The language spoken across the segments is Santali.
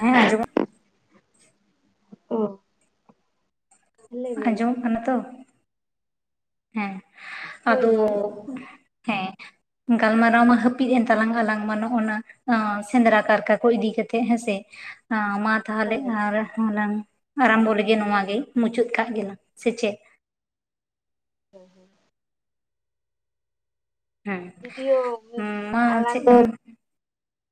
ᱦᱮᱸ ᱟᱸᱡᱚᱢᱚᱜ ᱚ ᱞᱟᱹᱭ ᱢᱮ ᱢᱟ ᱟᱸᱡᱚᱢᱚᱜ ᱠᱟᱱᱟ ᱛᱚ ᱦᱮᱸ ᱦᱳᱭ ᱟᱫᱚ ᱦᱳᱭ ᱦᱮᱸ ᱜᱟᱞᱢᱟᱨᱟᱣ ᱢᱟ ᱦᱟᱹᱯᱤᱜ ᱮᱱ ᱛᱞᱟᱝ ᱟᱞᱟᱝ ᱢᱟ ᱱᱚᱜᱼᱱᱟ ᱮᱸ ᱥᱮᱸᱫᱽᱨᱟ ᱠᱟᱨᱠᱟ ᱠᱚ ᱤᱫᱤᱠᱟ ᱠᱟᱛᱮᱜ ᱦᱮᱸᱥᱮ ᱢᱟ ᱛᱟᱦᱞᱮ ᱦᱳᱭ ᱟᱨ ᱦᱟᱱᱟᱝ ᱟᱨᱟᱢᱵᱚ ᱞᱟᱹᱜᱤᱫ ᱱᱚᱣᱟ ᱜᱮ ᱢᱩᱪᱟᱹᱫ ᱠᱟᱜ ᱜᱮᱞᱟᱝ ᱥᱮ ᱪᱮᱫ [inaudible] ᱦᱮᱸ ᱡᱩᱫᱤᱭᱳ ᱦᱩᱸ ᱢᱟ ᱟᱞᱟᱝ ᱪᱮᱜ ᱫᱚ ᱮᱢ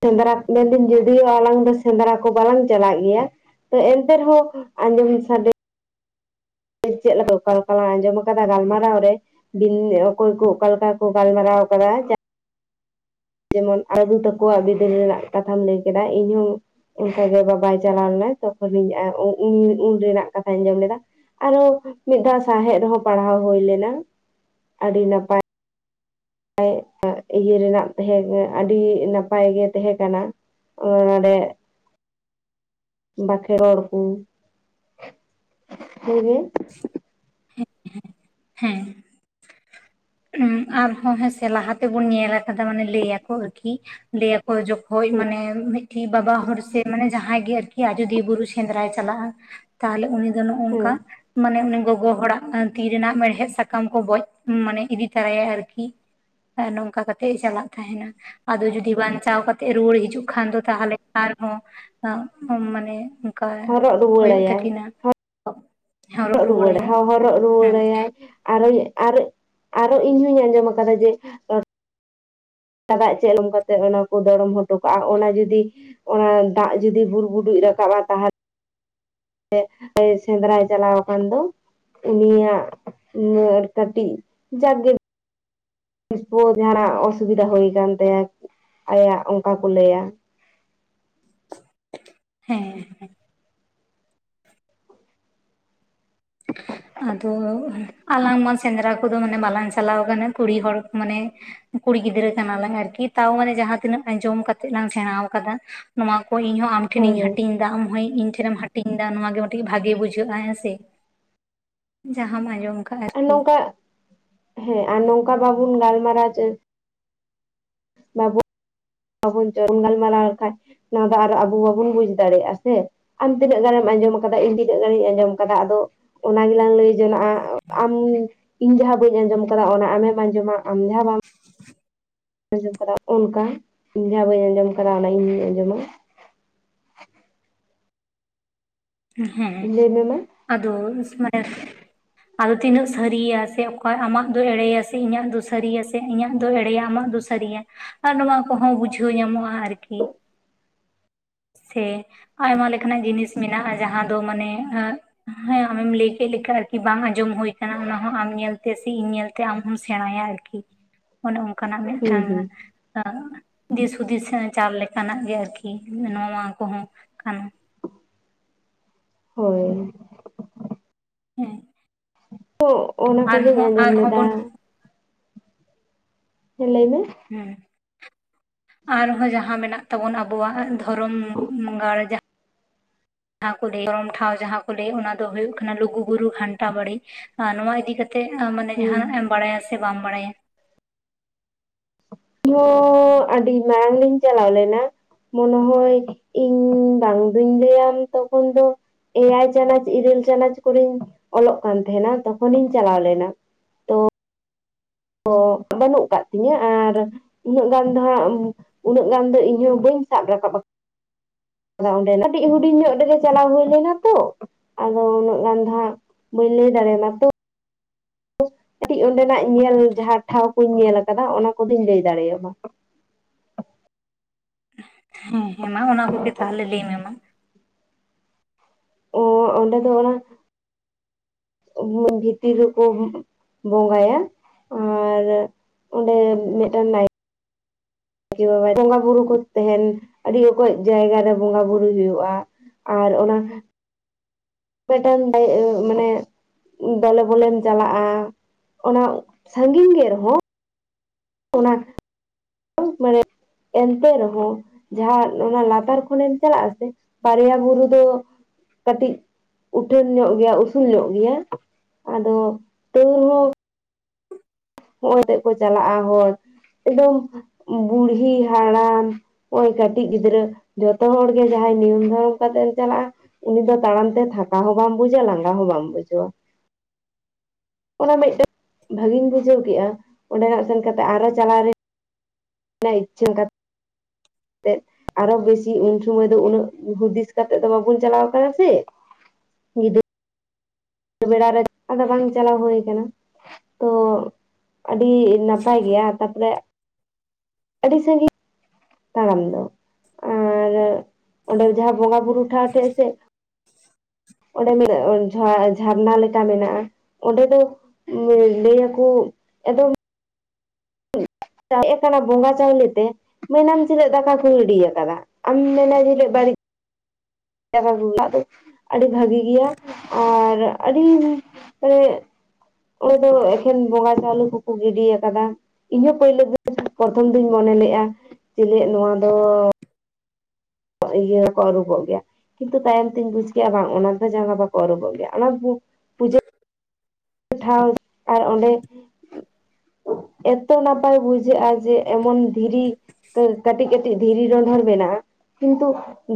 ᱥᱮᱸᱫᱽᱨᱟ ᱢᱮᱱᱫᱟᱹᱧ ᱡᱳᱫᱤᱭᱳ ᱟᱞᱟᱝ ᱫᱚ ᱥᱮᱸᱫᱽᱨᱟ ᱠᱚ ᱵᱟᱞᱟᱝ ᱪᱟᱞᱟᱜ ᱜᱮᱭᱟ ᱛᱚ ᱮᱱᱛᱮ ᱨᱮᱦᱚᱸ ᱟᱸᱡᱚᱢ ᱥᱟᱰᱮ ᱪᱮᱫ ᱞᱮᱠᱟ ᱚᱠᱟᱞᱮᱠᱟᱞᱟᱝ ᱟᱸᱡᱚᱢ ᱠᱟᱫᱟ ᱜᱟᱞᱢᱟᱨᱟᱣ ᱨᱮ ᱵᱤᱱ ᱚᱠᱚᱭ ᱠᱚ ᱚᱠᱟᱞᱮᱠᱟ ᱠᱚ ᱜᱟᱞᱢᱟᱨᱟᱣ ᱠᱟᱫᱟ ᱡᱟ ᱡᱮᱢᱚᱱ ᱟᱫᱩ ᱛᱟᱠᱚᱣᱟᱜ ᱵᱤᱫᱟᱹᱞ ᱨᱮᱱᱟᱜ ᱠᱟᱛᱷᱟᱢ ᱞᱟᱹᱭ ᱠᱮᱫᱟ ᱤᱧᱦᱚᱸ ᱚᱝᱠᱟ ᱜᱤ ᱵᱟᱵᱟᱭ ᱪᱟᱞᱟᱣ ᱞᱮᱱᱟᱭ ᱛᱚᱠᱷᱚᱱ ᱤᱧ ᱩᱼᱩᱼᱩᱱ ᱨᱮᱱᱟᱜ ᱠᱟᱛᱷᱟᱧ ᱟᱸᱡᱚᱢ ᱞᱮᱫᱟ ᱟᱨᱚᱦᱚᱸ ᱢᱤᱫ ᱫᱷᱟᱣ ᱥᱟᱶᱦᱮᱫ ᱨᱮᱦᱚᱸ ᱯᱟᱲᱦᱟᱣ ᱦᱩᱭ ᱞᱮᱱᱟ ᱟᱹᱰᱤ ᱱᱟᱯᱟᱭ ᱱᱟ ᱤᱭᱟᱹ ᱨᱮᱱᱟᱜ ᱛᱟᱦᱮᱸ ᱠᱟᱱᱟ ᱟᱹᱰᱤ ᱱᱟᱯᱟᱭ ᱜᱮ ᱛᱟᱦᱮᱸ ᱠᱟᱱᱟ᱾ ᱚᱸ ᱰᱮ ᱵᱟᱠᱷᱮ ᱨᱲ ᱠᱩ ᱦᱮᱸᱜᱮ [unintelligible] ᱦᱮᱸ ᱩᱸ ᱟᱨ ᱦᱚᱸ ᱦᱮᱸᱥ ᱞᱟᱦᱟᱛ ᱛᱮᱵᱚᱱ ᱧᱮᱞ ᱠᱟᱫᱟ ᱢᱟᱱᱮ ᱞᱟᱹᱭᱟᱠᱚ ᱟᱹᱠᱤ ᱞᱟᱹᱭᱟᱠᱚ ᱡᱚᱠᱷᱚᱡ ᱢᱟᱱᱮ ᱢᱤᱜ ᱵᱟᱵᱟ ᱦᱚᱲ ᱥᱮ ᱢᱟᱱᱮ ᱡᱟᱦᱟᱸᱭ ᱜᱮ ᱟᱨᱠᱤ ᱟᱡᱚᱫᱤᱭᱟᱹ ᱵᱩᱨᱩ ᱥᱮᱸᱫᱽᱨᱟᱭ ᱪᱟᱞᱟᱜᱼᱟ ᱛᱟᱦᱞᱮ ᱩᱱᱤ ᱫᱚ ᱱᱚᱜᱼᱚ ᱦᱮᱸ ᱱᱚᱝᱠᱟ ᱢᱟᱱᱮ ᱩᱱᱤ ᱜᱚᱜ ᱜᱚ ᱦᱚᱲᱟᱜ ᱛᱤ ᱨᱮᱱᱟᱜ ᱢᱮᱲᱦᱮᱫ ᱥᱟᱠᱟᱢ ᱠᱚ ᱵᱚᱡᱽ ᱢᱟᱱᱮ ᱤᱫᱤ ᱛᱟᱨᱟᱭᱟᱭ ᱟᱨᱠᱤ ᱟᱨ ᱱᱚᱝᱠᱟ ᱠᱟᱛᱮᱜ ᱮ ᱪᱟᱞᱟᱜ ᱛᱟᱦᱮᱸᱱᱟ ᱟᱫᱚ ᱡᱚᱫᱤ ᱵᱟᱧᱪᱟᱣ ᱠᱟᱛᱮᱜ ᱨᱩᱣᱟᱹᱲ ᱦᱤᱡᱩᱜ ᱠᱷᱟᱱ ᱫᱚ ᱛᱟᱦᱞᱮ ᱟᱨᱦᱚᱸ ᱢᱟᱱᱮ ᱚᱱᱠᱟ ᱦᱚᱨᱚᱜ ᱦᱩᱭᱩᱜ ᱨᱩᱣᱟᱹᱲᱟᱭᱟᱢ ᱛᱟᱹᱠᱤᱱᱟ ᱦᱚᱨᱚᱜ ᱨᱩ ᱨᱩᱣᱟᱹᱲᱟᱭᱟᱭ ᱦᱚᱨᱚᱜ ᱨᱩᱣᱟᱹᱲ ᱦᱮᱸ ᱨᱩᱣᱟᱹᱲᱟᱭᱟᱭ ᱟᱨᱚ ᱟᱨᱚ ᱤᱧᱦᱚᱧ ᱟᱸᱡᱚᱢ ᱟᱠᱟᱫᱟ ᱡᱮ ᱥᱟᱜ ᱪᱮᱫ ᱮᱢᱚᱝ ᱠᱟᱛᱮ ᱚᱱᱟ ᱠᱚ ᱫᱚᱨᱚᱢ ᱦᱚᱴᱚ ᱠᱟᱜ-ᱟ ᱚᱱᱟ ᱡᱩᱫᱤ ᱚ ᱫᱟᱜ ᱡᱚᱫᱤ ᱵᱩᱨ ᱵᱩᱰᱩᱡ ᱨᱟᱠᱟᱵ-ᱟ ᱛᱟᱦᱚᱞᱮ ᱥᱮ ᱥᱮᱸᱫᱽᱨᱟ ᱪᱟᱞᱟᱣ ᱟᱠᱟᱱ ᱫᱚ ᱱᱤᱭᱟᱹ ᱱᱤᱭᱟᱹ ᱠᱟᱹᱴᱤᱡ ᱡᱟᱜᱮ ᱢᱩᱡ ᱟᱲᱟᱜ ᱚᱥᱩᱵᱤᱫᱟ ᱦᱩᱭ ᱟᱠᱟᱱ ᱛᱟᱭᱟ ᱟᱭᱟᱜ ᱚᱱᱠᱟ ᱠᱚ ᱞᱟᱹᱭᱟ᱾ ᱦᱮᱸ ᱦᱮᱸ ᱟᱫᱚ ᱟᱞᱟᱝᱢᱟ ᱥᱮᱸᱫᱽᱨᱟ ᱠᱚᱫᱚ ᱵᱟᱞᱟᱝ ᱪᱟᱞᱟᱣ ᱠᱟᱱᱟ ᱠᱩᱲᱤ ᱦᱚᱲ ᱢᱟᱱᱮ ᱠᱩᱲᱤ ᱜᱤᱫᱽᱨᱟᱹ ᱠᱟᱱᱟ ᱞᱟᱝ ᱟᱨᱠᱤ ᱛᱟᱣ ᱢᱟᱱᱮ ᱡᱟᱦᱟᱸᱛᱤᱱᱟᱹᱜ ᱟᱸᱡᱚᱢ ᱠᱟᱛᱮᱜ ᱞᱟᱝ ᱥᱮᱬᱟ ᱟᱠᱟᱫᱟ᱾ ᱱᱚᱣᱟ ᱠᱚ ᱤᱧᱦᱚᱸ ᱟᱢ ᱟᱢ ᱦᱚᱸ ᱤᱧ ᱦᱳᱭ ᱴᱷᱮᱱᱤᱧ ᱦᱳᱭ ᱦᱟᱹᱴᱤᱧ ᱮᱫᱟ ᱟᱢᱦᱚᱸ ᱤᱧ ᱴᱷᱮᱱᱮᱢ ᱦᱟᱹᱴᱤᱧ ᱫᱟ ᱱᱚᱣᱟ ᱜᱮ ᱢᱤᱫᱴᱤᱡ ᱵᱷᱟᱜᱮ ᱵᱩᱡᱷᱟᱹᱜ-ᱟ ᱦᱮᱸ ᱥᱮ ᱡᱟᱦᱟᱸᱢ ᱟᱡᱚᱢ ᱚᱱᱟᱴᱟᱜ ᱦᱮᱸ ᱟᱨ ᱱᱚᱝᱠᱟ ᱵᱟᱵᱩᱱ ᱜᱟᱞᱢᱟᱨᱟᱣ ᱪᱮ ᱵᱟᱵᱚᱱ ᱚᱱ ᱜᱟᱞᱢᱟᱨᱟᱣ ᱞᱮᱠᱷᱟ ᱱᱚᱣᱟ ᱫᱚ ᱟᱨᱚ ᱟᱵᱚ ᱵᱟᱵᱚᱱ ᱵᱩᱡ ᱫᱟᱲᱮᱭᱟᱜ-ᱟ ᱥᱮ ᱟᱢ ᱛᱤᱱᱟᱹᱜ ᱜᱟᱱᱮᱢ ᱟᱸᱡᱚᱢ ᱟᱠᱟᱫᱟ ᱤᱧ ᱛᱤᱱᱟᱹᱜ ᱜᱟᱱᱤᱧ ᱟᱸᱡᱚᱢ ᱟᱠᱟᱫᱟ ᱟᱫᱚ ᱚᱱᱟ ᱜᱮᱞᱟᱝ ᱞᱟᱹᱭ ᱡᱚᱱᱟᱜ-ᱟ ᱟᱢ ᱤᱧ ᱡᱟᱦᱟᱸ ᱵᱟᱹᱧ ᱟᱸᱡᱚᱢ ᱟᱠᱟᱫᱟ ᱚᱱᱟ ᱟᱢᱮᱢ ᱟᱸᱡᱚᱢᱟ ᱟᱢ ᱡᱟᱦᱟᱸ ᱵᱟᱢ ᱟᱸᱡᱚᱢ ᱠᱟᱫᱟ ᱚᱱᱠᱟ ᱤᱧ ᱡᱟᱦᱟᱸ ᱵᱟᱹᱧ ᱟᱸᱡᱚᱢ ᱠᱟᱫᱟ ᱚᱱᱟ ᱤᱧ ᱟᱸᱡᱚᱢᱟ ᱦᱮᱸ ᱞᱟᱹᱭ ᱢᱮ ᱢᱟ ᱟᱫᱚ ᱟᱫᱚ ᱛᱤᱱᱟᱹᱜ ᱥᱟᱹᱨᱤᱭᱟ ᱥᱮ ᱚᱠᱚᱭ ᱟᱢᱟᱜ ᱫᱚ ᱮᱲᱮᱭᱟ ᱥᱮ ᱤᱧᱟᱹᱜ ᱫᱚ ᱥᱟᱹᱨᱤᱭᱟ ᱥᱮ ᱤᱧᱟᱹᱜ ᱫᱚ ᱮᱲᱮᱭᱟ ᱟᱢᱟᱜ ᱫᱚ ᱥᱟᱹᱨᱤ ᱜᱮ ᱱᱚᱣᱟ ᱠᱚᱦᱚᱸ ᱵᱩᱡᱷᱟᱹᱣ ᱧᱟᱢᱚᱜᱼᱟ ᱟᱨᱠᱤ [inaudible] ᱥᱮ ᱟᱭᱢᱟ ᱞᱮᱠᱟᱱᱟᱜ ᱡᱤᱱᱤᱥ ᱢᱮᱱᱟᱜᱼᱟ ᱡᱟᱦᱟᱸ ᱫᱚ ᱢᱟᱱᱮ ᱮᱻ ᱦᱮᱸ ᱟᱢᱮᱢ ᱞᱟᱹᱭ ᱠᱮᱫ ᱞᱮᱠᱟ ᱟᱨᱠᱤ ᱵᱟᱝ ᱟᱸᱡᱚᱢ ᱦᱳᱭ ᱟᱠᱟᱱᱟ ᱚᱱᱟ ᱦᱚᱸ ᱟᱢ ᱧᱮᱞᱛᱮ ᱥᱮ ᱤᱧ ᱧᱮᱞᱛᱮ ᱟᱢ ᱦᱚᱢ ᱥᱮᱬᱟᱭᱟ ᱟᱨᱠᱤ ᱚᱱᱮ ᱚᱱᱠᱟᱱᱟᱜ ᱦᱩᱸ ᱢᱤᱫᱴᱟᱝ ᱦᱩᱸ ᱦᱮ ᱫᱤᱥ ᱦᱩᱫᱤᱥ ᱪᱟᱞ ᱞᱮᱠᱟᱱᱟᱜ ᱜᱮ ᱟᱨᱠᱤ ᱱᱚᱣᱟ ᱠᱚᱦᱚᱸ ᱠᱟᱱᱟ ᱦᱳᱭ ᱦᱮᱸ ᱛᱚ ᱚᱱᱟ ᱠᱚᱜᱤᱧ ᱟᱨᱦᱚᱸ ᱟᱸᱡᱚᱢ ᱟᱨᱦᱚᱸ ᱞᱮᱫᱟ ᱵᱚᱱ ᱦᱮ ᱞᱟᱹᱭ ᱢᱮ ᱟᱨᱦᱚᱸ ᱡᱟᱦᱟᱸ ᱢᱮᱱᱟᱜ ᱛᱟᱵᱚᱱ ᱟᱵᱚᱣᱟᱜ ᱫᱷᱚᱨᱚᱢ ᱵᱚᱸᱜᱟᱲ ᱡᱟᱦᱟ ᱡᱟᱦᱟᱸ ᱠᱚ ᱞᱟᱹᱭ ᱜᱚᱨᱚᱢ ᱴᱷᱟᱶ ᱡᱟᱦᱟᱸ ᱠᱚ ᱞᱟᱹᱭ ᱚᱱᱟ ᱫᱚ ᱦᱳᱭᱳᱜ ᱠᱟᱱᱟ ᱞᱩᱜᱩ ᱵᱩᱨᱩ ᱜᱷᱟᱱᱴᱟ ᱵᱟᱲᱮ ᱟᱨ ᱱᱚᱣᱟ ᱤᱫᱤ ᱠᱟᱛᱮᱜ ᱛᱚ ᱢᱟᱱᱮ ᱦᱩᱸ ᱡᱟᱦᱟᱸᱱᱟᱜ ᱮᱢ ᱵᱟᱲᱟᱭᱟ ᱥᱮ ᱵᱟᱢ ᱵᱟᱲᱟᱭᱟ [unintelligible] ᱟᱹᱰᱤ ᱢᱟᱝ ᱞᱤᱧ ᱪᱟᱞᱟᱣ ᱞᱮᱱᱟ᱾ ᱢᱚᱱᱮ ᱦᱚᱭ ᱤᱧ ᱵᱟᱝ ᱫᱩᱧ ᱞᱟᱹᱭᱟᱢ ᱛᱚᱠᱷᱚᱱ ᱫᱚ ᱮᱭᱟᱭ ᱪᱟᱱᱟᱪ ᱤᱨᱟᱹᱞ ᱪᱟᱱᱟᱪ ᱠᱚᱨᱮᱧ ᱚᱞᱚᱜ ᱠᱟᱱ ᱛᱟᱸᱦᱮᱱᱟ ᱛᱚᱠᱷᱚᱱ ᱤᱧ ᱪᱟᱞᱟᱣ ᱞᱮᱱᱟ ᱚᱜ ᱵᱟᱹᱱᱩᱜ ᱠᱟᱜ ᱛᱤᱧᱟᱹ ᱟᱨ ᱩᱱᱟᱹᱜ ᱜᱟᱱ ᱫᱚ ᱦᱟᱸᱜ ᱩᱱᱟᱹᱜ ᱜᱟᱱ ᱫᱚ ᱤᱧᱦᱚᱸ ᱵᱟᱹᱧ ᱥᱟᱵ ᱨᱟᱠᱟᱵ ᱟᱠᱟᱱᱟ ᱟᱫᱚ ᱚᱸᱰᱮ ᱠᱟᱹᱴᱤᱡ ᱦᱩᱰᱤᱧ ᱧᱚᱜ ᱨᱮᱜᱮ ᱪᱟᱞᱟᱣ ᱦᱩᱭ ᱞᱮᱱᱟ ᱛᱚ᱾ ᱟᱫᱚ ᱩᱱᱟᱹᱜ ᱜᱟᱱ ᱫᱚᱦᱟᱜ ᱵᱟᱹᱧ ᱞᱟᱹᱭ ᱫᱟᱲᱮᱭᱟᱢᱟ ᱛᱚ ᱠᱟᱹᱴᱤᱡ ᱚᱸᱰᱮᱱᱟᱜ ᱧᱮᱞ ᱡᱟᱦᱟᱸ ᱴᱷᱟᱶ ᱠᱩᱧ ᱧᱮᱞ ᱠᱟᱫᱟ ᱚᱱᱟ ᱠᱚᱫᱚᱧ ᱞᱟᱹᱭ ᱫᱟᱲᱮᱭᱟᱢᱟ ᱦᱮᱸ ᱦᱮᱸ ᱢᱟ ᱚᱱᱟ ᱠᱚᱜᱮ ᱛᱟᱦᱚᱞᱮ ᱞᱟᱹᱭ ᱢᱮ ᱢᱟ ᱚ ᱚᱸᱰᱮ ᱫᱚ ᱚᱱᱟ ᱨᱩᱢ ᱵᱷᱤᱛᱤᱨ ᱨᱮᱠᱚ ᱵᱚᱸᱜᱟᱭᱟ ᱟᱨ ᱚᱸᱰᱮ ᱢᱤᱫᱴᱟᱝ ᱱᱟᱭ ᱠᱮ ᱵᱟᱵᱟ ᱵᱚᱸᱜᱟ ᱵᱩᱨᱩ ᱠᱚ ᱛᱟᱦᱮᱱ ᱟᱹᱰᱤ ᱚᱠᱚᱡ ᱡᱟᱭᱜᱟ ᱨᱮ ᱵᱚᱸᱜᱟ ᱵᱩᱨᱩ ᱠᱚ ᱦᱩᱭᱩᱜ-ᱟ ᱟᱨ ᱚᱱᱟ ᱢᱤᱫᱴᱟᱝ [unintelligible] ᱢᱟᱱᱮ ᱫᱚᱞᱮ ᱵᱚᱞᱮᱢ ᱪᱟᱞᱟᱜᱼᱟ ᱚᱱᱟ ᱥᱟᱺᱜᱤᱧ ᱜᱮ ᱨᱮᱦᱚᱸ ᱚᱱᱟ ᱢᱟᱱᱮ ᱮᱱᱛᱮ ᱨᱮᱦᱚᱸ ᱡᱟᱦᱟᱸ ᱚᱱᱟ ᱞᱟᱛᱟᱨ ᱠᱷᱚᱱᱮᱢ ᱪᱟᱞᱟᱜ ᱟᱥᱮ [unintelligible] ᱵᱩᱨᱩ ᱫᱚ ᱠᱟᱹᱴᱤᱡ ᱩᱴᱷᱟᱹᱱ ᱧᱚᱜ ᱜᱮᱭᱟ ᱩᱥᱩᱞ ᱧᱚᱜ ᱜᱮᱭᱟ ᱟᱫᱚ ᱛᱟᱹᱣ ᱦᱚᱸ ᱦᱚᱸᱜᱼᱚᱭ ᱛᱮᱠᱚ ᱪᱟᱞᱟᱜᱼᱟ ᱦᱚᱲ ᱮᱠᱫᱚᱢ ᱵᱩᱲᱦᱤ ᱦᱟᱲᱟᱢ ᱦᱚᱭ ᱠᱟᱹᱴᱤᱡ ᱜᱤᱫᱽᱨᱟᱹ ᱡᱚᱛᱚ ᱦᱚᱲ ᱜᱮ ᱡᱟᱦᱟᱸᱭ ᱱᱤᱭᱚᱢ ᱫᱷᱚᱨᱚᱢ ᱠᱟᱛᱮᱢ ᱪᱟᱞᱟᱜᱼᱟ ᱩᱱᱤ ᱫᱚ ᱛᱟᱲᱟᱢ ᱛᱮ ᱛᱷᱟᱠᱟ ᱦᱚᱸ ᱵᱟᱢ ᱵᱩᱡᱟ ᱞᱟᱸᱜᱟ ᱦᱚᱸ ᱵᱟᱢ ᱵᱩᱡᱟᱹᱣᱟ ᱚᱱᱟ ᱢᱤᱫᱴᱮᱱ ᱵᱷᱟᱹᱜᱤᱧ ᱵᱩᱡᱷᱟᱹᱣ ᱠᱮᱜᱼᱟ ᱚᱸᱰᱮᱱᱟᱜ ᱥᱮᱱ ᱠᱟᱛᱮ ᱟᱨᱚ ᱪᱟᱞᱟᱣ ᱨᱮ [unintelligible] ᱛᱮᱫ ᱟᱨᱚ ᱵᱮᱥᱤ ᱩᱱ ᱥᱚᱢᱚᱭ ᱫᱚ ᱩᱱᱟᱹᱜ ᱦᱩᱫᱤᱥ ᱠᱟᱛᱮᱜ ᱫᱚ ᱵᱟᱵᱚᱱ ᱪᱟᱞᱟᱣ ᱠᱟᱱᱟ ᱥᱮ ᱡᱩᱫᱤ ᱵᱮᱲᱟ ᱨᱮ ᱟᱫᱚ ᱵᱟᱝ ᱪᱟᱞᱟᱣ ᱦᱩᱭ ᱠᱟᱱᱟ ᱛᱚ ᱟᱹᱰᱤ ᱱᱟᱯᱟᱭ ᱜᱮᱭᱟ ᱛᱟᱯᱚᱨᱮ ᱟᱹᱰᱤ ᱥᱟᱺᱜᱤᱧ ᱛᱟᱲᱟᱢ ᱫᱚ ᱟᱨ ᱚᱸᱰᱮ ᱡᱟᱦᱟᱸ ᱵᱚᱸᱜᱟ ᱵᱩᱨᱩ ᱴᱷᱟᱶ ᱴᱷᱮᱡ ᱥᱮ ᱚᱸᱰᱮ ᱢᱮᱱᱟᱜᱼᱟ ᱡᱷᱟ ᱡᱷᱟᱨᱱᱟ ᱞᱮᱠᱟ ᱢᱮᱱᱟᱜᱼᱟ ᱚᱸᱰᱮ ᱫᱚ ᱞᱟᱹᱭ ᱞᱟᱹᱭᱟᱠᱚ ᱮᱠᱫᱚᱢ ᱦᱮᱡ ᱟᱠᱟᱱᱟ ᱵᱚᱸᱜᱟ ᱪᱟᱣᱞᱮ ᱛᱮ ᱢᱮᱱᱟᱢ ᱛᱤᱱᱟᱜ ᱫᱟᱠᱟ ᱠᱚ ᱜᱤᱰᱤ ᱠᱟᱫᱟ ᱟᱢ ᱢᱮᱱᱟ ᱪᱮᱫᱟᱜ ᱵᱟᱹᱲᱤᱡ ᱟᱹᱰᱤ ᱵᱷᱟᱹᱜᱤ ᱜᱮᱭᱟ ᱟᱨ ᱟᱹᱰᱤ ᱢᱟᱱᱮ ᱚᱸᱰᱮ ᱫᱚ ᱮᱠᱷᱮᱱ ᱵᱚᱸᱜᱟ ᱪᱟᱣᱞᱮ ᱠᱚᱠᱚ ᱜᱤᱰᱤ ᱟᱠᱟᱫᱟ ᱤᱧ ᱦᱚᱸ ᱯᱳᱭᱞᱳ [inaudible] ᱯᱨᱚᱛᱷᱚᱢ ᱫᱩᱧ ᱢᱚᱱᱮ ᱞᱮᱜᱼᱟ ᱪᱮᱞᱮ ᱱᱚᱣᱟ ᱫᱚ ᱤᱭᱟᱹ ᱦᱚᱸᱠᱚ ᱟᱹᱨᱩᱵᱚᱜ ᱜᱮᱭᱟ ᱠᱤᱱᱛᱩ [unintelligible] ᱛᱟᱭᱚᱢ ᱛᱤᱧ ᱵᱩᱡᱽ ᱠᱮᱭᱟ ᱵᱟᱝ ᱚᱱᱟ ᱫᱚ ᱡᱟᱸᱜᱟ ᱵᱟᱠᱚ ᱟᱹᱨᱩᱵᱚᱜ ᱜᱮᱭᱟ ᱚᱱᱟ ᱴᱷᱟᱣ ᱟᱨ ᱚᱸᱰᱮ ᱮᱛᱚ ᱱᱟᱯᱟᱭ ᱵᱩᱡᱷᱟᱹᱜᱼᱟ ᱡᱮ ᱮᱢᱚᱱ ᱫᱷᱤᱨᱤ ᱛᱚ ᱠᱟᱹᱴᱤᱡ ᱠᱟᱹᱴᱤᱡ ᱫᱷᱤᱨᱤ ᱰᱸᱰᱷᱚᱨ ᱢᱮᱱᱟᱜᱼᱟ ᱠᱤᱱᱛᱩ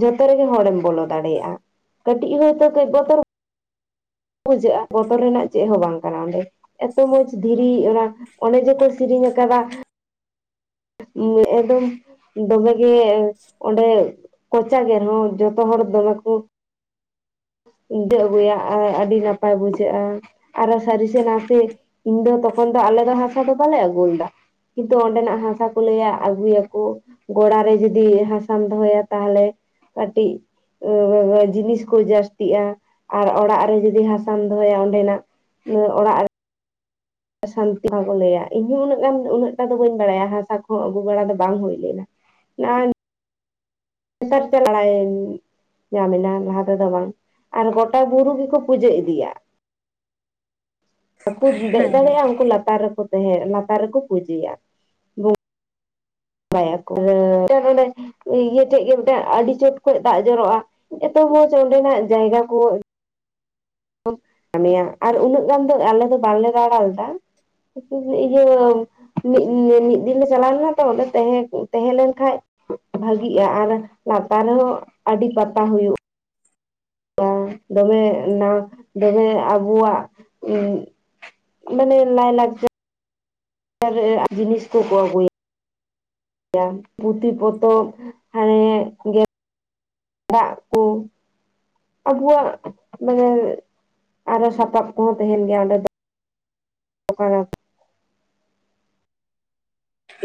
ᱡᱚᱛᱚ ᱨᱮᱜᱮ ᱦᱚᱲᱮᱢ ᱵᱚᱞᱚ ᱫᱟᱲᱮᱭᱟᱜᱼᱟ ᱠᱟᱹᱴᱤᱡ ᱦᱚᱭᱛᱚ ᱠᱟᱹᱡ ᱵᱚᱛᱚᱨ ᱵᱩᱡᱷᱟᱹᱜᱼᱟ ᱵᱚᱛᱚᱨ ᱨᱮᱱᱟᱜ ᱪᱮᱫ ᱦᱚᱸ ᱵᱟᱝ ᱠᱟᱱᱟ ᱚᱸᱰᱮ ᱮᱛᱚ ᱢᱚᱸᱡᱽ ᱫᱷᱤᱨᱤ ᱚᱱᱟ ᱚᱱᱮ ᱡᱮᱠᱚ ᱥᱤᱨᱤᱧ ᱠᱟᱫᱟ ᱮᱠᱫᱚᱢ ᱫᱚᱢᱮ ᱜᱮ ᱚᱸᱰᱮ ᱠᱚᱪᱟ ᱜᱮᱭᱟ ᱱᱚᱣᱟ ᱡᱚᱛᱚ ᱦᱚᱲ ᱫᱚᱢᱮ ᱠᱚ [unintelligible] ᱟᱹᱜᱩᱭᱟ ᱟᱨ ᱟᱹᱰᱤ ᱱᱟᱯᱟᱭ ᱵᱩᱡᱷᱟᱹᱜᱼᱟ ᱟᱨᱚ ᱥᱟᱹᱨᱤ ᱥᱮ ᱱᱟᱥᱮ ᱤᱧ ᱫᱚ ᱛᱚᱠᱷᱚᱱ ᱫᱚ ᱟᱞᱮ ᱫᱚ ᱦᱟᱥᱟ ᱫᱚ ᱵᱟᱞᱮ ᱟᱹᱜᱩ ᱞᱮᱫᱟ ᱠᱤᱱᱛᱩ ᱚᱸᱰᱮᱱᱟᱜ ᱦᱟᱥᱟ ᱠᱚ ᱞᱟᱹᱭᱟ ᱟᱹᱜᱩᱭᱟ ᱠᱚ ᱜᱚᱲᱟ ᱨᱮ ᱡᱩᱫᱤ ᱦᱟᱥᱟᱢ ᱫᱚᱦᱚᱭᱟ ᱛᱟᱦᱞᱮ ᱠᱟᱹᱴᱤᱡ [inaudible] ᱡᱤᱱᱤᱥ ᱠᱚ ᱡᱟᱥ ᱛᱤᱜᱼᱟ ᱟᱨ ᱚᱲᱟᱜ ᱨᱮ ᱡᱩᱫᱤ ᱦᱟᱥᱟᱢ ᱫᱚᱦᱚᱭᱟ ᱚᱸᱰᱮᱱᱟᱜ ᱚᱲᱟᱜ ᱥᱟᱱᱛᱤ [inaudible] ᱞᱟᱹᱭᱟ ᱤᱧ ᱦᱚᱸ ᱩᱱᱟᱹᱜ ᱜᱟᱱ ᱩᱱᱟᱹᱜ ᱴᱟ ᱫᱚ ᱵᱟᱹᱧ ᱵᱟᱲᱟᱭᱟ ᱦᱟᱥᱟ ᱠᱚᱦᱚᱸ ᱟᱹᱜᱩ ᱵᱟᱲᱟ ᱫᱚ ᱵᱟᱝ ᱦᱩᱭ ᱞᱮᱱᱟ ᱱᱚᱜᱼᱚᱭ [inaudible] ᱛᱮ ᱞᱟᱲᱟᱭᱟᱹᱧ ᱧᱟᱢᱮᱱᱟ ᱞᱟᱦᱟ ᱛᱮᱫᱚ ᱵᱟᱝ ᱟᱨ ᱜᱚᱴᱟ ᱵᱩᱨᱩ ᱜᱮᱠᱚ ᱯᱩᱡᱟᱹ ᱤᱫᱤᱭᱟ ᱵᱟᱠᱩ ᱫᱮᱡ ᱦᱮᱸ ᱫᱟᱲᱮᱭᱟᱜᱼᱟ ᱩᱱᱠᱩ ᱞᱟᱛᱟᱨ ᱨᱮᱠᱚ ᱛᱮᱦᱮᱸ ᱞᱟᱛᱟᱨ ᱨᱮᱠᱚ ᱯᱩᱡᱟᱹᱭᱟ ᱵᱟᱲᱟᱭᱟ ᱠᱚ [inaudible] ᱤᱭᱟᱹ ᱴᱷᱮᱡ ᱜᱮ ᱢᱤᱫᱴᱮᱱ ᱟᱹᱰᱤ ᱪᱚᱴ ᱠᱷᱚᱡ ᱫᱟᱜ ᱡᱚᱨᱚᱜᱼᱟ ᱮᱛᱚ ᱢᱚᱸᱡᱽ ᱚᱸᱰᱮᱱᱟᱜ ᱡᱟᱭᱜᱟ ᱠᱚ ᱠᱟᱹᱢᱤᱭᱟ ᱟᱨ ᱩᱱᱟᱹᱜ ᱜᱟᱱ ᱫᱚ ᱟᱞᱮ ᱫᱚ ᱵᱟᱞᱮ ᱫᱟᱲᱟ ᱞᱮᱫᱟ ᱤᱭᱟᱹ ᱢᱤᱫ ᱫᱤᱱ ᱞᱮ ᱪᱟᱞᱟᱣ ᱞᱮᱱᱟ ᱛᱚ ᱚᱸᱰᱮ ᱛᱮᱦᱮᱸ ᱛᱮᱦᱮᱸ ᱞᱮᱱᱠᱷᱟᱡ ᱵᱷᱟᱹᱜᱤᱜᱼᱟ ᱟᱨ ᱞᱟᱛᱟᱨ ᱨᱮᱦᱚᱸ ᱟᱹᱰᱤ ᱯᱟᱛᱟ ᱦᱩᱭᱩᱜ [unintelligible] ᱫᱚᱢᱮ ᱱᱟ ᱫᱚᱢᱮ ᱟᱵᱚᱣᱟᱜ ᱩᱸᱜ ᱢᱟᱱᱮ ᱞᱟᱭ ᱞᱟᱠᱪᱟ ᱟᱨ [unintelligible] ᱡᱤᱱᱤᱥ ᱠᱚᱠᱚ ᱟᱹᱜᱩᱭᱟ ᱯᱩᱛᱷᱤ ᱯᱚᱛᱚᱵ ᱮᱸᱜ ᱜᱮ ᱫᱟᱜ ᱠᱚ ᱟᱵᱚᱣᱟᱜ ᱢᱟᱱᱮ ᱟᱨᱚ ᱥᱟᱯᱟᱵ ᱠᱚᱦᱚᱸ ᱛᱟᱦᱮᱱ ᱜᱮᱭᱟ ᱚᱸᱰᱮ ᱫᱚ ᱟᱠᱚ ᱦᱚᱸ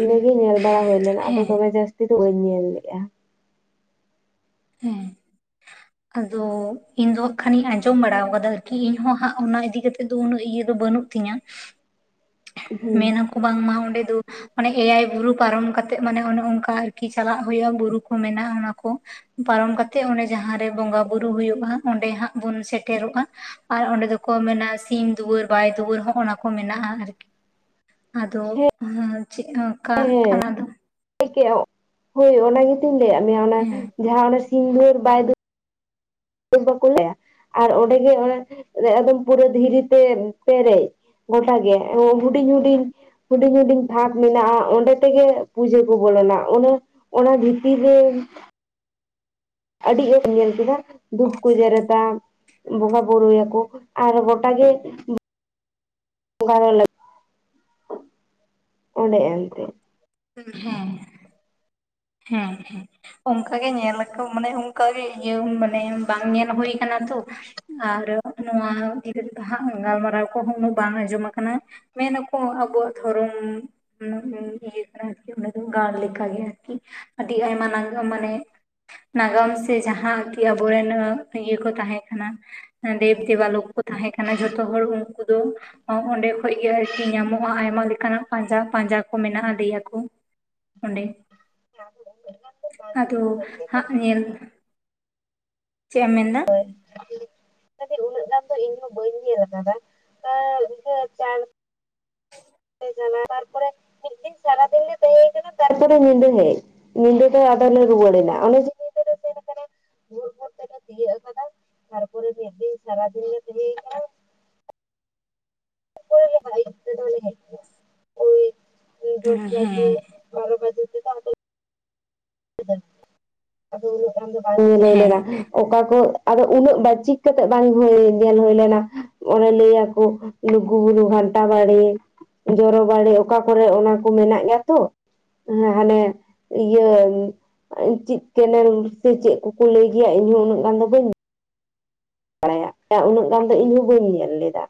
ᱤᱱᱟᱹᱜᱮ ᱧᱮᱞ ᱵᱟᱲᱟ ᱦᱩᱭ ᱞᱮᱱᱟ ᱟᱫᱚ ᱦᱮᱸ ᱫᱚᱢᱮ ᱡᱟᱹᱥᱛᱤ ᱫᱚ ᱵᱟᱹᱧ ᱧᱮᱞ ᱞᱮᱜᱼᱟ ᱦᱮᱸ ᱟᱫᱚ ᱤᱧ ᱫᱚ ᱦᱟᱸᱜ ᱠᱷᱟᱱᱤᱧ ᱟᱸᱡᱚᱢ ᱵᱟᱲᱟ ᱟᱠᱟᱫᱟ ᱟᱨᱠᱤ ᱤᱧᱦᱚᱸ ᱦᱟᱸᱜ ᱚᱱᱟ ᱤᱫᱤᱠᱟ ᱠᱟᱛᱮᱫ ᱫᱚ ᱩᱱᱟᱹᱜ ᱤᱭᱟᱹ ᱫᱚ ᱵᱟᱹᱱᱩᱜ ᱛᱤᱧᱟᱹ ᱦᱩᱸ ᱢᱮᱱ ᱟᱠᱚ ᱵᱟᱝᱢᱟ ᱚᱸᱰᱮ ᱫᱚ ᱢᱟᱱᱮ ᱮᱭᱟᱭ ᱵᱩᱨᱩ ᱯᱟᱨᱚᱢ ᱠᱟᱛᱮᱜ ᱢᱟᱱᱮ ᱚᱱᱮ ᱚᱱᱠᱟ ᱟᱨᱠᱤ ᱪᱟᱞᱟᱜ ᱦᱩᱭᱩᱜ-ᱟ ᱵᱩᱨᱩ ᱠᱚ ᱢᱮᱱᱟᱜ-ᱟ ᱚᱱᱟ ᱠᱚ ᱯᱟᱨᱚᱢ ᱠᱟᱛᱮᱜ ᱚᱸᱰᱮ ᱡᱟᱦᱟᱸᱨᱮ ᱵᱚᱸᱜᱟ ᱵᱩᱨᱩᱳ ᱦᱩᱭᱩᱜ-ᱟ ᱚᱸᱰᱮ ᱦᱟᱜ ᱵᱚᱱ ᱥᱮᱴᱮᱨᱚᱜ-ᱟ ᱟᱨ ᱚᱸᱰᱮ ᱫᱚᱠᱚ ᱢᱮᱱᱟ ᱥᱤᱢ ᱫᱩᱣᱟᱹᱨ ᱵᱟᱭ ᱫᱩᱣᱟᱹᱨ ᱦᱚᱜ-ᱚᱭ ᱚᱱᱟ ᱠᱚ ᱢᱮᱱᱟᱜ-ᱟ ᱟᱨᱠᱤ ᱟᱫᱚ ᱦᱮᱸ ᱦᱩᱻ ᱪᱮᱫ ᱦᱚ ᱦᱮᱸ ᱦᱳᱭ ᱚᱱᱟ ᱜᱮᱛᱤᱧ ᱞᱟᱹᱭᱟᱜ ᱢᱮᱭᱟ ᱚᱱᱟ ᱦᱮᱸ ᱡᱟᱦᱟᱸ ᱛᱤᱱ ᱵᱷᱚᱨ ᱵᱟᱭ ᱫᱩ ᱵᱟᱠᱚ ᱞᱟᱹᱭᱟ ᱟᱨ ᱚᱸᱰᱮ ᱜᱮ ᱮᱠᱫᱚᱢ ᱯᱩᱨᱟᱹ ᱫᱷᱤᱨᱤ ᱛᱮ ᱯᱮᱨᱮᱡ ᱜᱚᱴᱟ ᱜᱮ ᱦᱩᱰᱤᱧ ᱦᱩᱰᱤᱧ ᱦᱩᱰᱤᱧ ᱦᱩᱰᱤᱧ ᱛᱷᱟᱠ ᱢᱮᱱᱟᱜ-ᱟ ᱚᱸᱰᱮ ᱛᱮᱜᱮ ᱯᱩᱡᱟᱹ ᱠᱚ ᱵᱚᱞᱚᱱᱟ ᱚᱱᱟ ᱚᱱᱟ ᱵᱷᱤᱛᱤᱨ ᱨᱮ ᱟᱹᱰᱤ ᱜᱮᱧ ᱧᱮᱞ ᱠᱮᱫᱟ ᱫᱷᱩᱯ ᱠᱚ ᱡᱮᱨᱮᱫᱟ ᱵᱚᱸᱜᱟ ᱵᱩᱨᱩᱭᱟᱠᱚ ᱟᱨ ᱜᱚᱴᱟᱜ ᱜᱮ ᱟᱲᱟᱜ ᱨᱮ ᱞᱟᱹᱜᱽ ᱚᱸᱰᱮ ᱮᱱᱛᱮ ᱦᱮᱸ ᱦᱮᱸ ᱦᱮᱸ ᱚᱝᱠᱟᱜᱮ ᱧᱮᱞ ᱟᱠᱚ ᱢᱟᱱᱮ ᱚᱝᱠᱟᱜᱮ ᱤᱭᱟᱹ ᱢᱟᱱᱮ ᱵᱟᱝ ᱧᱮᱞ ᱦᱩᱭ ᱠᱟᱱᱟ ᱛᱚ ᱟᱨ ᱱᱚᱣᱟ ᱤᱭᱟ ᱛᱮᱦᱚᱸ ᱜᱟᱞᱢᱟᱨᱟᱣ ᱠᱚᱦᱚᱸ ᱩᱱᱟᱹᱜ ᱵᱟᱝ ᱟᱸᱡᱚᱢ ᱟᱠᱟᱱᱟ ᱢᱮᱱᱟᱠᱚ ᱟᱵᱚᱣᱟᱜ ᱫᱷᱚᱨᱚᱢ ᱩᱱᱟᱹᱜ ᱤᱭᱟᱹᱜ ᱠᱟᱱᱟ ᱟᱨᱠᱤ ᱚᱱᱠᱟ ᱞᱮᱠᱟ ᱜᱮ ᱠᱤ ᱟᱹᱰᱤ ᱟᱭᱢᱟ ᱱᱟᱝᱜᱮ ᱢᱟᱱᱮ ᱱᱟᱜᱟᱢ ᱥᱮ ᱡᱟᱦᱟᱸ ᱠᱤ ᱟᱵᱚᱨᱮᱱ ᱤᱭᱟᱹ ᱠᱚ ᱛᱟᱦᱮᱸ ᱠᱟᱱᱟ ᱫᱮᱵ ᱫᱮᱵᱟᱟᱞᱳ ᱠᱚ ᱛᱟᱦᱮᱸ ᱠᱟᱱᱟ ᱡᱷᱚᱛᱚ ᱦᱚᱲ ᱩᱱᱠᱩ ᱫᱚ ᱚᱸᱰᱮ ᱠᱷᱚᱡᱜᱤ ᱟᱨᱠᱤ ᱧᱟᱢᱚᱜ-ᱟ ᱟᱭᱢᱟ ᱞᱮᱠᱟᱱᱟᱜ ᱯᱟᱸᱡᱟ ᱯᱟᱸᱡᱟ ᱠᱚ ᱢᱮᱱᱟᱜ-ᱟ ᱞᱟᱹᱭ ᱟᱠᱚ ᱚᱰᱮ ᱵᱟᱝ ᱟᱫᱚ ᱧᱮᱞ ᱦᱩᱭ ᱞᱮᱱᱟ ᱦᱟᱜ ᱧᱮᱞ ᱪᱮᱫ ᱮᱢ ᱢᱮᱱ ᱫᱟ ᱛᱚ ᱤᱧ ᱦᱚᱸ ᱵᱟᱹᱧ [unintelligible] ᱫᱟᱫᱟ [unintelligible] ᱢᱟᱱᱮ ᱛᱟᱨᱯᱚᱨᱮ ᱥᱟᱨᱟ ᱫᱤᱱ ᱜᱮ ᱛᱟᱦᱮᱸᱭ ᱟᱠᱟᱱᱟ ᱛᱟᱨᱯᱚᱨᱮ ᱧᱤᱫᱟᱹ ᱦᱮᱡ ᱧᱤᱫᱟᱹ ᱫᱚ ᱟᱫᱚ ᱞᱮ ᱨᱩᱣᱟᱹᱲ ᱮᱱᱟ ᱚᱱᱮ [unintelligible] [unintelligible] ᱥᱮᱱ ᱟᱠᱟᱱᱟ ᱵᱷᱳᱨ ᱵᱷᱳᱨ ᱛᱮᱞᱮ ᱛᱤᱭᱟᱹᱜ ᱟᱠᱟᱫᱟ ᱛᱟᱨᱯᱚᱨᱮ [unintelligible] [unintelligible] ᱳᱭ ᱫᱚᱥ ᱵᱟᱡᱮ ᱦᱮᱸ ᱵᱟᱨᱚ ᱵᱟᱡᱮ ᱪᱮᱫᱟᱜ ᱟᱫᱚ ᱤᱱᱟᱹᱜ ᱜᱟᱱ ᱫᱚ ᱵᱟᱝ ᱦᱮᱸ ᱞᱟᱹᱞᱮᱱᱟ ᱚᱠᱟ ᱠᱚ ᱟᱫᱚ ᱩᱱᱟᱹᱜ ᱵᱟᱪᱤᱠ ᱠᱟᱛᱮᱜ ᱵᱟᱝ ᱦᱩᱭ ᱧᱮᱞ ᱦᱩᱭ ᱞᱮᱱᱟ ᱚᱱᱮ ᱞᱟᱹᱭ ᱟᱠᱚ ᱞᱩᱜᱩᱵᱩᱨᱩ ᱜᱷᱟᱱᱴᱟ ᱵᱟᱲᱮ ᱡᱚᱨᱚ ᱵᱟᱲᱮ ᱚᱠᱟ ᱠᱚᱨᱮ ᱚᱱᱟ ᱠᱚ ᱢᱮᱱᱟᱜ ᱜᱮᱭᱟ ᱛᱚ ᱦᱮᱸ ᱦᱟᱱᱮ ᱤᱭᱟᱹ ᱪᱮᱫ ᱠᱮᱱᱮᱞ ᱥᱮ ᱪᱮᱫ ᱠᱚᱠᱚ ᱞᱟᱹᱭ ᱜᱮᱭᱟ ᱤᱧᱦᱚᱸ ᱩᱱᱟᱹᱜ ᱜᱟᱱ ᱫᱚ ᱵᱟᱹᱧ ᱵᱟᱲᱟᱭᱟ ᱩᱱᱟᱹᱜ ᱜᱟᱱ ᱫᱚ ᱤᱧ ᱦᱚᱸ ᱵᱟᱹᱧ ᱧᱮᱞ ᱞᱮᱫᱟ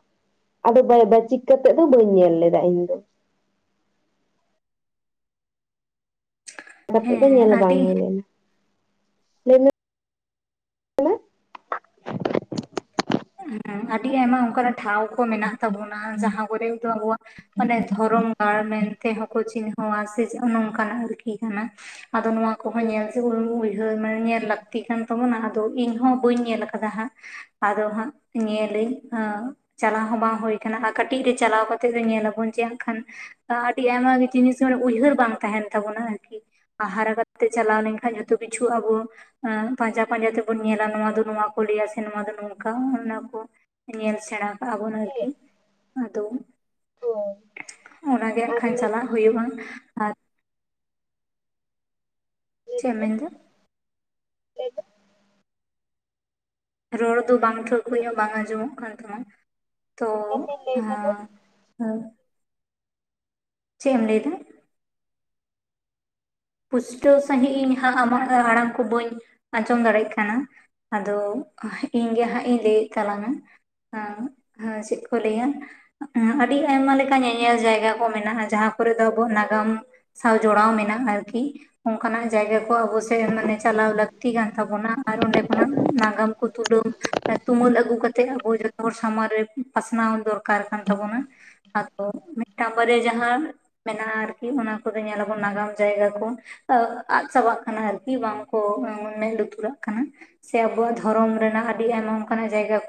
ᱟᱫᱚ ᱵᱟᱪᱤᱠ ᱠᱟᱛᱮᱫ ᱫᱚ ᱵᱟᱹᱧ ᱧᱮᱞ ᱞᱮᱫᱟ ᱤᱧ ᱫᱚ ᱠᱟᱛᱮ ᱫᱚ ᱦᱮᱸ ᱧᱮᱞ ᱵᱟᱝ ᱟᱹᱰᱤ ᱦᱩᱭ ᱞᱮᱱᱟ ᱦᱮᱸ ᱟᱹᱰᱤ ᱟᱭᱢᱟ ᱚᱱᱠᱟᱱᱟᱜ ᱴᱷᱟᱶ ᱠᱚ ᱢᱮᱱᱟᱜ ᱛᱟᱵᱚᱱᱟ ᱡᱟᱦᱟᱸ ᱠᱚᱨᱮ ᱫᱚ ᱟᱵᱚ ᱣᱟᱜ ᱢᱟᱱᱮ ᱫᱷᱚᱨᱚᱢ ᱜᱟᱲ ᱢᱮᱱ ᱛᱮᱦᱚᱸ ᱠᱚ ᱪᱤᱱᱦᱟᱹᱣᱟ ᱥᱮ ᱱᱚᱝᱠᱟᱱᱟᱜ ᱟᱨᱠᱤ ᱠᱟᱱᱟ ᱟᱫᱚ ᱱᱚᱣᱟ ᱠᱚᱦᱚᱸ ᱧᱮᱞ [unintelligible] ᱧᱮᱞ ᱞᱟᱹᱠᱛᱤ ᱠᱟᱱ ᱛᱟᱵᱚᱱᱟ ᱟᱫᱚ ᱤᱧᱦᱚᱸ ᱵᱟᱹᱧ ᱧᱮᱞ ᱟᱠᱟᱫᱟ ᱱᱟᱦᱟᱸᱜ ᱟᱫᱚ ᱦᱟᱸᱜ ᱧᱮᱞ ᱞᱟᱹᱧ ᱦᱟᱸᱜ ᱪᱟᱞᱟᱣ ᱦᱚᱸ ᱵᱟᱝ ᱦᱩᱭ ᱟᱠᱟᱱᱟ ᱟᱨ ᱠᱟᱹᱴᱤᱡ ᱨᱮ ᱪᱟᱞᱟᱣ ᱠᱟᱛᱮᱫ ᱫᱚ ᱧᱮᱞ ᱟᱹᱵᱚᱱ ᱡᱮ ᱮᱠᱷᱟᱱ ᱟᱹᱰᱤ ᱟᱭᱢᱟᱜᱮ ᱡᱤᱱᱤᱥ ᱢᱟᱱᱮ ᱩᱭᱦᱟᱹᱨ ᱵᱟᱝ ᱛᱟᱦᱮᱱ ᱛᱟᱵᱚᱱᱟ ᱟᱨᱠᱤ [unintelligible] ᱦᱟᱨᱟ ᱠᱟᱛᱮ ᱪᱟᱞᱟᱣ ᱞᱮᱱᱠᱷᱟᱱ ᱡᱚᱛᱚ ᱠᱤᱪᱷᱩ ᱟᱵᱚ ᱯᱟᱸᱡᱟ ᱯᱟᱸᱡᱟ ᱛᱮᱵᱩᱱ ᱧᱮᱞᱟ ᱱᱚᱶᱟ ᱫᱚ ᱱᱚᱶᱟ ᱠᱚ ᱞᱟᱹᱭᱟ ᱥᱮ ᱱᱚᱶᱟ ᱫᱚ ᱱᱚᱝᱠᱟ ᱚᱱᱟ ᱠᱚ ᱧᱮᱞ ᱥᱮᱬᱟ ᱠᱟᱜ-ᱟ ᱵᱚᱱ ᱟᱨᱠᱤ ᱟᱫᱚ [unintelligible] ᱚᱱᱟᱜᱮ ᱟᱨ ᱟᱠᱷᱟᱱ ᱞᱟᱹᱭ ᱪᱟᱞᱟᱜ ᱦᱩᱭᱩᱜ-ᱟ ᱪᱮᱫ ᱮᱢ ᱢᱮᱱᱫᱟ? ᱨᱚᱲ ᱫᱚ ᱵᱟᱝ ᱴᱷᱟᱹᱣᱠᱟᱹ ᱧᱚᱜ ᱵᱟᱝ ᱟᱸᱡᱚᱢᱚᱜ ᱠᱟᱱ ᱛᱟᱢᱟ ᱛᱚ [unintelligible] ᱪᱮᱜ ᱮᱢ ᱞᱟᱹᱭᱮᱫᱟ ᱯᱩᱥᱴᱟᱹᱣ ᱥᱟᱺᱦᱤᱡ ᱤᱧ ᱦᱟᱸᱜ ᱟᱢᱟᱜ ᱟᱲᱟᱝ ᱠᱚ ᱵᱟᱹᱧ ᱟᱸᱡᱚᱢ ᱫᱟᱲᱮᱭᱟᱜ ᱠᱟᱱᱟ᱾ ᱟᱫᱚ ᱤᱧ ᱜᱮ ᱦᱟᱸᱜ ᱤᱧ ᱞᱟᱹᱭᱮᱫ ᱛᱟᱞᱟᱝᱟ [unintelligible] ᱪᱮᱫ ᱠᱚ ᱞᱟᱹᱭᱟ ᱟᱹᱰᱤ ᱟᱭᱢᱟ ᱞᱮᱠᱟ ᱧᱮᱧᱮᱞ ᱡᱟᱭᱜᱟ ᱠᱚ ᱢᱮᱱᱟᱜ-ᱟ ᱡᱟᱦᱟᱸ ᱠᱚᱨᱮ ᱫᱚ ᱟᱵᱩᱣᱟᱜ ᱱᱟᱜᱟᱢ᱾ ᱥᱟᱶ ᱡᱚᱲᱟᱣ ᱢᱮᱱᱟᱜ ᱟᱨᱠᱤ ᱚᱱᱠᱟᱱᱟᱜ ᱡᱟᱭᱜᱟ ᱠᱚ ᱟᱵᱚ ᱥᱮ ᱪᱟᱞᱟᱣ ᱞᱟᱹᱠᱛᱤ ᱠᱟᱱ ᱛᱟᱵᱚᱱᱟ ᱟᱨ ᱚᱸᱰᱮ ᱠᱷᱚᱱᱟᱜ ᱱᱟᱜᱟᱢ ᱠᱚ ᱛᱩᱞᱟᱹᱣ [unintelligible] ᱛᱩᱢᱟᱹᱞ ᱟᱹᱜᱩ ᱠᱟᱛᱮᱜ ᱟᱵᱚ ᱡᱚᱛᱚ ᱦᱚᱲ ᱥᱟᱢᱟᱝ ᱨᱮ ᱯᱟᱥᱱᱟᱣ ᱫᱚᱨᱠᱟᱨ ᱠᱟᱱ ᱛᱟᱵᱚᱱᱟ ᱟᱫᱚ ᱢᱤᱫ ᱴᱟᱝ ᱵᱟᱨᱭᱟ ᱡᱟᱦᱟᱸ ᱢᱮᱱᱟᱜ-ᱟ ᱟᱨᱠᱤ ᱚᱱᱟ ᱠᱚᱫᱚ ᱧᱮᱞᱟ ᱵᱚᱱ ᱱᱟᱜᱟᱢ ᱡᱟᱭᱜᱟ [unintelligible] ᱟᱫ ᱪᱟᱵᱟᱜ ᱠᱟᱱᱟ ᱟᱨᱠᱤ ᱵᱟᱝ ᱠᱚ ᱢᱮᱫ ᱞᱩᱛᱩᱨᱟᱜ ᱠᱟᱱᱟ ᱪᱮ ᱟᱵᱚᱣᱟᱜ ᱫᱷᱚᱨᱚᱢ ᱨᱮᱱᱟᱜ ᱟᱹᱰᱤ ᱟᱭᱢᱟ ᱚᱱ ᱠᱟᱱᱟᱜ ᱡᱟᱭᱜᱟ [unintelligible]